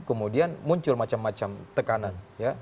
kemudian muncul macam macam tekanan